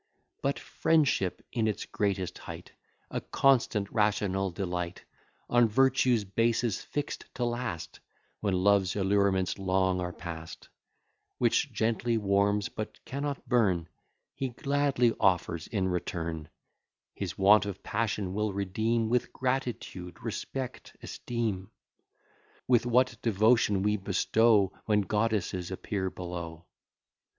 But friendship, in its greatest height, A constant, rational delight, On virtue's basis fix'd to last, When love allurements long are past, Which gently warms, but cannot burn, He gladly offers in return; His want of passion will redeem With gratitude, respect, esteem: With what devotion we bestow, When goddesses appear below.